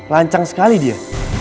lancang sekali dia